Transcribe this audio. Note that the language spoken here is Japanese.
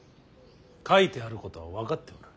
書いてあることは分かっておる。